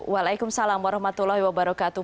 waalaikumsalam warahmatullahi wabarakatuh